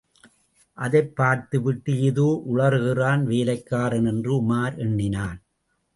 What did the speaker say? அதைப் பார்த்துவிட்டு ஏதோ உளறுகிறான் வேலைக்காரன் என்று உமார் எண்ணினான்.